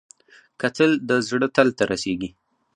کتل د زړه تل ته رسېږي